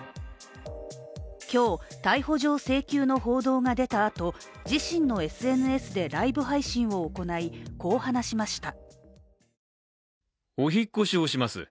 今日、逮捕状請求の報道が出たあと自身のＳＮＳでライブ配信を行いこう話しました。